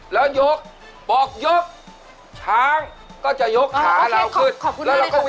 แล้วยกปอกยกช้างก็จะยกขาเราขึ้นเอ้อโอเคขอบคุณเลยครับ